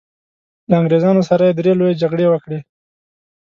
له انګریزانو سره یې درې لويې جګړې وکړې.